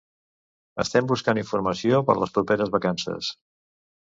Estem buscant informació per les properes vacances